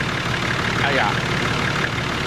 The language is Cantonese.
哎呀!